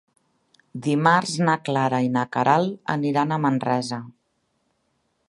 Dimarts na Clara i na Queralt aniran a Manresa.